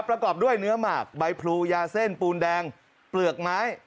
ประกอบด้วยเนื้อหมากใบพลูยาเส้นปูนแดงเปลือกไม้